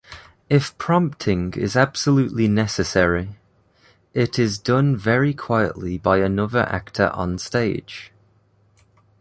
If prompting is absolutely necessary, it is done very quietly by another actor on-stage.